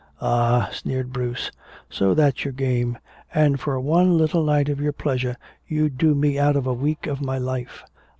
"Ah," sneered Bruce. "So that's your game. And for one little night of your pleasure you'd do me out of a week of my life!"